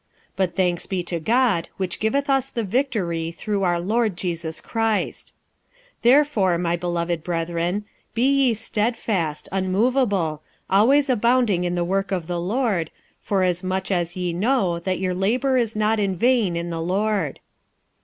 46:015:057 But thanks be to God, which giveth us the victory through our Lord Jesus Christ. 46:015:058 Therefore, my beloved brethren, be ye stedfast, unmoveable, always abounding in the work of the Lord, forasmuch as ye know that your labour is not in vain in the Lord.